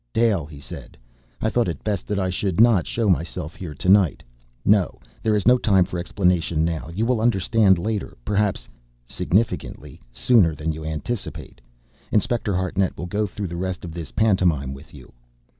"Dale," he said. "I thought it best that I should not show myself here to night. No, there is no time for explanation now; you will understand later. Perhaps" significantly "sooner than you anticipate. Inspector Hartnett will go through the rest of this pantomime with you."